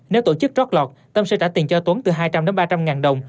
nếu tổ chức trót lọt tâm sẽ trả tiền cho tuấn từ hai trăm linh đến ba trăm linh ngàn đồng